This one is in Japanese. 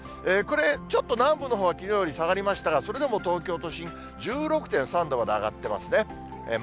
これちょっと南部のほうはきのうより下がりましたが、それでも東京都心、１６．３度まで上がってますね。